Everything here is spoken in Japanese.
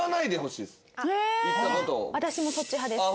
あっ私もそっち派です。